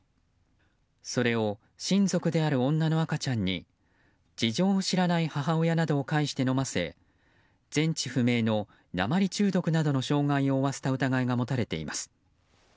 それを親族である女の赤ちゃんに事情を知らない母親などを介して飲ませ全治不明の鉛中毒などの傷害を負わせた疑いが持たれています。